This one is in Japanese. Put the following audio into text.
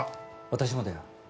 私もだよ。